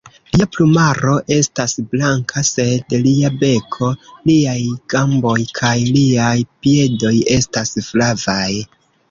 Lia plumaro estas blanka, sed lia beko, liaj gamboj kaj liaj piedoj estas flavaj.